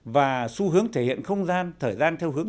và xu hướng thể hiện không gian thời gian theo hướng